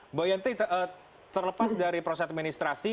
mbak yanti terlepas dari proses administrasi